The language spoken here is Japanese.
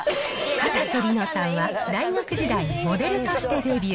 かたせ梨乃さんは、大学時代にモデルとしてデビュー。